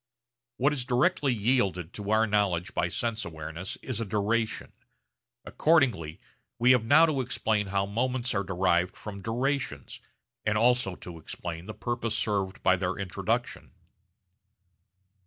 What is directly yielded to our knowledge by sense awareness is a duration. Accordingly we have now to explain how moments are derived from durations, and also to explain the purpose served by their introduction.